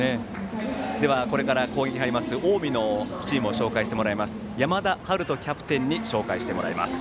では、これから攻撃に入る近江のチームを山田陽翔キャプテンに紹介してもらいます。